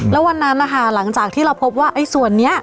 แล้ววันนั้นนะคะหลังจากที่เราพบว่าไอ้ส่วนนี้